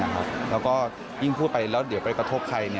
แล้วก็ยิ่งพูดไปแล้วเดี๋ยวไปกระทบใคร